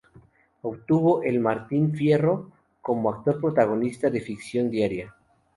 Obtuvo el Martín Fierro como Actor Protagonista de Ficción Diaria.